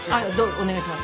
お願いします。